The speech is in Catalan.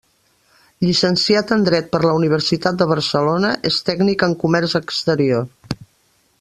Llicenciat en dret per la Universitat de Barcelona, és tècnic en comerç exterior.